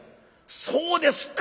「そうですか。